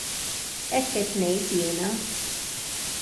Hekk qed ngħid jiena.